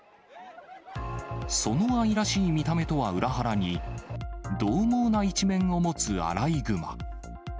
その愛らしい見た目とは裏腹に、どう猛な一面を持つアライグマ。